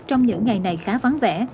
trong những ngày này khá vắng vẻ